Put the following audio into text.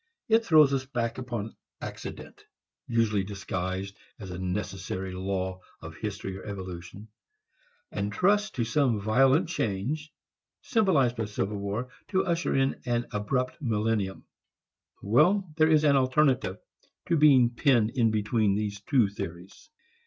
It throws us back upon accident, usually disguised as a necessary law of history or evolution, and trusts to some violent change, symbolized by civil war, to usher in an abrupt millennium. There is an alternative to being penned in between these two theories.